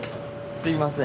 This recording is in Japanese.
すいません。